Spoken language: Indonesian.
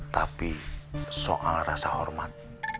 tapi soal rasa hormat